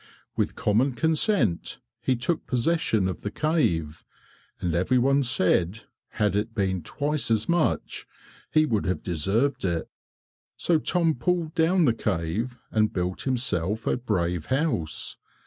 With common consent he took possession of the cave and every one said, had it been twice as much, he would have deserved it. So Tom pulled down the cave, and built himself a brave house.